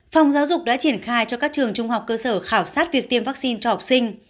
phòng giáo dục đã triển khai cho các trường trung học cơ sở khảo sát việc tiêm vaccine cho học sinh